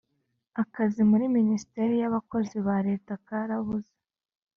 Akazi muri minisiteri y abakozi ba leta karabuze